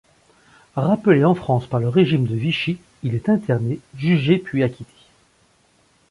Rappelé en France par le régime de Vichy, il est interné, jugé puis acquitté.